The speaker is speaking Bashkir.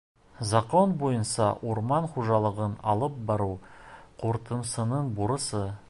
Закон буйынса урман хужалығын алып барыу — ҡуртымсының бурысы.